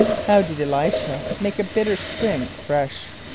= How did [+E] l[=i]´sh[.a] make a bitter spring fresh?